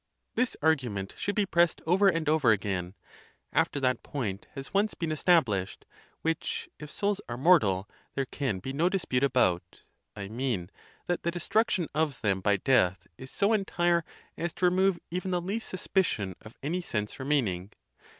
This argument should be pressed over and over again, after that point has once been estab lished, which, if souls are mortal, there can be no dispute about—I mean, that. the destruction of them by death is so entire as to remove even the least suspicion of any sense remaining.